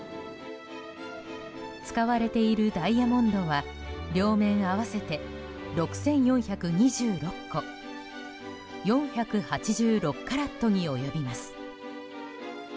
使われているダイヤモンドは両面合わせて６４２６個４８６カラットに及びます。